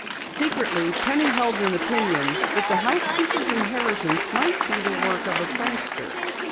Secretly Penny held an opinion that the housekeeper's inheritance might be the work of a prankster.